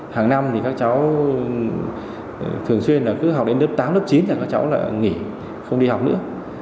hàng năm thì các cháu thường xuyên là cứ học đến lớp tám lớp chín là các cháu lại nghỉ không đi học nữa